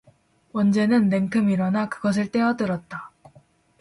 원재는 냉큼 일어나 그것을 떼어 들었다.